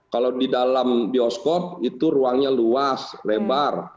kalau di dalam bioskop itu ruangnya luas lebar